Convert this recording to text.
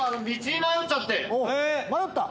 迷った？